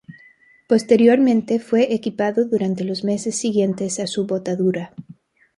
Posteriormente fue equipado durante los meses siguientes a su botadura.